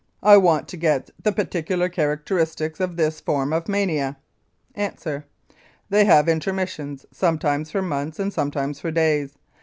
I want to get the peculiar characteristic of this form of mania. A. They have intermissions sometimes for months and sometimes for days.